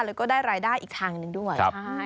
แล้วก็ได้รายได้อีกทางหนึ่งด้วย